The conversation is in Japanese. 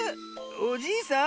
おじいさん？